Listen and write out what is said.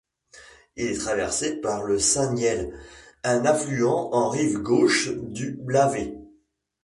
Il est traversé par le Saint-Niel, un affluent en rive gauche du Blavet.